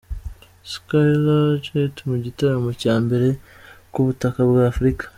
Skyler Jett mu gitaramo cya mbere ku butaka bwa Afurika.